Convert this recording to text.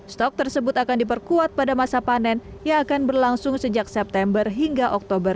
stok tersebut akan diperkuat pada masa panen yang akan berlangsung sejak september hingga oktober dua ribu dua puluh satu